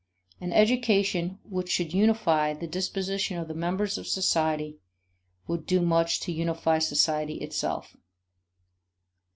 An education which should unify the disposition of the members of society would do much to unify society itself.